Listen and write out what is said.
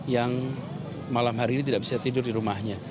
yang malam hari ini tidak bisa tidur di rumahnya